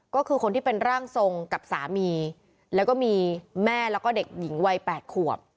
ก็คือคนที่เป็นร่างทรงกับสามีแล้วก็มีแม่แล้วก็เด็กหญิงวัย๘ขวบ